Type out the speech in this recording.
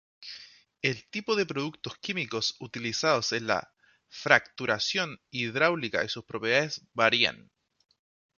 El tipo de productos químicos utilizados en la fracturación hidráulica y sus propiedades varían.